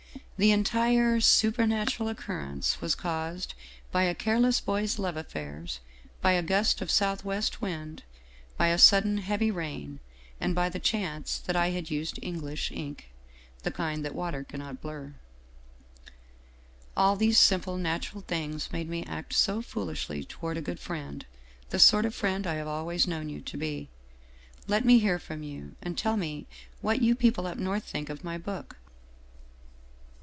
" The entire ' supernatural ' occurrence was caused by a careless boy's love affairs, by a gust of southwest wind, by a sudden heavy rain, and by the chance that I had used English ink, the kind that water cannot blur. All these simple natural things made me act so foolishly toward a good friend, the sort of friend I have always known you to be. Let me hear from you, and tell me what you people up North think of my book.